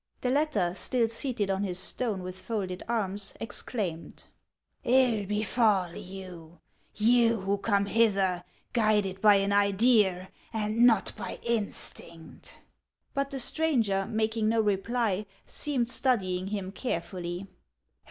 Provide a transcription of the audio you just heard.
The latter, still seated on his stone with folded arms, exclaimed :" 111 befall you, you who come hither guided by an idea, and not by instinct !" But the stranger, making no reply, seemed studying him carefully.